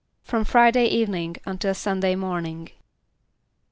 =From Friday evening until Sunday morning.